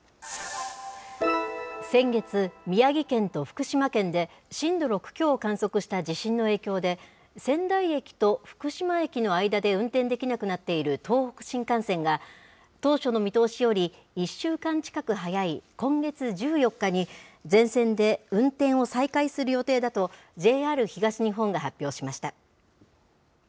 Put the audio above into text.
先月、宮城県と福島県で震度６強を観測した地震の影響で、仙台駅と福島駅の間で運転できなくなっている東北新幹線が、当初の見通しより１週間近く早い、今月１４日に、全線で運転を再開する予定だとＪＲ東日本が発表しました。